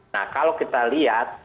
nah kalau kita lihat